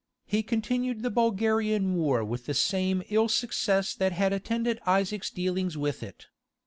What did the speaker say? He continued the Bulgarian war with the same ill success that had attended Isaac's dealings with it.